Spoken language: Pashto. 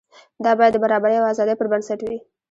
دا باید د برابرۍ او ازادۍ پر بنسټ وي.